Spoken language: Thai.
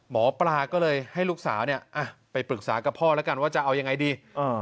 หมอปลาก็เลยให้ลูกสาวเนี่ยไปปรึกษากับพ่อแล้วกันว่าจะเอายังไงดี